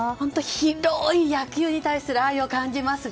広い野球に対する愛を感じます。